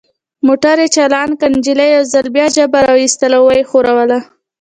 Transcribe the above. موټر یې چالان کړ، نجلۍ یو ځل بیا ژبه را وایستل او ویې ښوروله.